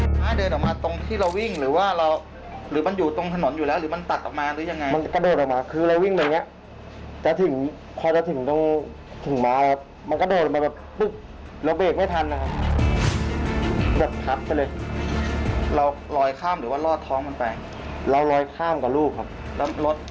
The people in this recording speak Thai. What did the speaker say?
สถานที่สุดสถานที่สุดสถานที่สุดสถานที่สุดสถานที่สุดสถานที่สุดสถานที่สุดสถานที่สุดสถานที่สุดสถานที่สุดสถานที่สุดสถานที่สุดสถานที่สุดสถานที่สุดสถานที่สุดสถานที่สุดสถานที่สุดสถานที่สุดสถานที่สุดสถานที่สุดสถานที่สุดสถานที่สุดสถานที่สุดสถานที่สุดสถานที่สุ